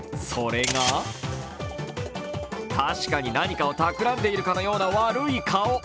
それが確かに何かをたくらんでいるかのような悪い顔。